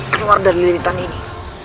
keluar dari lintang ini